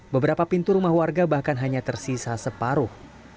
beberapa pintu rumah warga bahkan hanya tersisa separuh